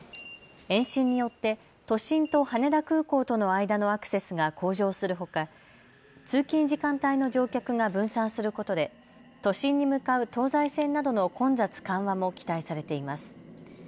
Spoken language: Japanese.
延伸によって都心と羽田空港との間のアクセスが向上するほか通勤時間帯の乗客が分散することで都心に向かう東西線などの混雑緩和も期待されています。